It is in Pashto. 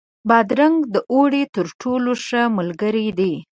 بادرنګ د اوړي تر ټولو ښه ملګری دی.